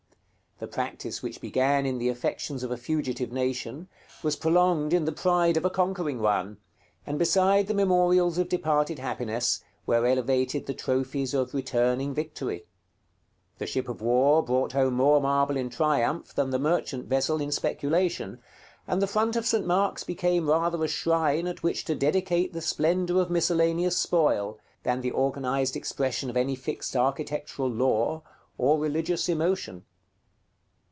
The practice which began in the affections of a fugitive nation, was prolonged in the pride of a conquering one; and beside the memorials of departed happiness, were elevated the trophies of returning victory. The ship of war brought home more marble in triumph than the merchant vessel in speculation; and the front of St. Mark's became rather a shrine at which to dedicate the splendor of miscellaneous spoil, than the organized expression of any fixed architectural law, or religious emotion.